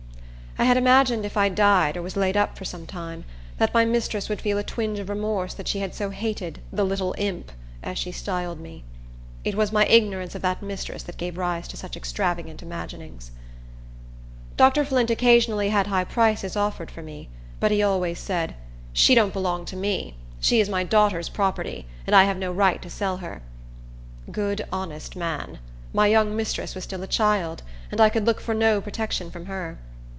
I had imagined if I died, or was laid up for some time, that my mistress would feel a twinge of remorse that she had so hated "the little imp," as she styled me. It was my ignorance of that mistress that gave rise to such extravagant imaginings. Dr. Flint occasionally had high prices offered for me; but he always said, "She don't belong to me. She is my daughter's property, and I have no right to sell her." Good, honest man! My young mistress was still a child, and I could look for no protection from her.